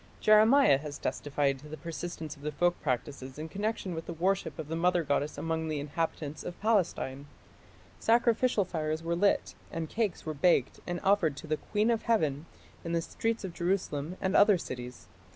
Jeremiah has testified to the persistence of the folk practices in connection with the worship of the mother goddess among the inhabitants of Palestine. Sacrificial fires were lit and cakes were baked and offered to the "Queen of Heaven" in the streets of Jerusalem and other cities.